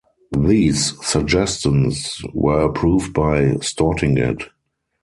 These suggestions were approved by Stortinget.